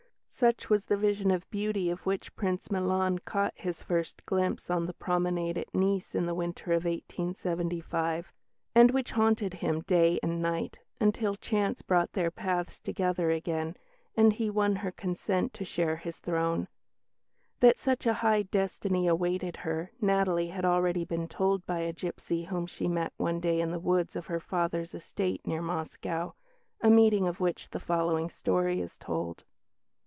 Such was the vision of beauty of which Prince Milan caught his first glimpse on the promenade at Nice in the winter of 1875, and which haunted him, day and night, until chance brought their paths together again, and he won her consent to share his throne. That such a high destiny awaited her, Natalie had already been told by a gipsy whom she met one day in the woods of her father's estate near Moscow a meeting of which the following story is told.